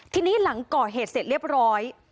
ทีนี้หลังก่อเหตุเสร็จเรียบร้อย